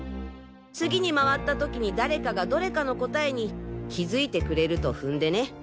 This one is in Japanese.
次に回った時に誰かがどれかの答えに気づいてくれると踏んでね。